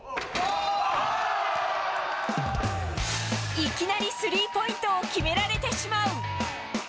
いきなりスリーポイントを決められてしまう。